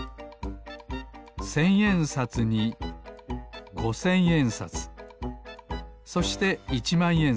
せんえんさつにごせんえんさつそしていちまんえんさつ。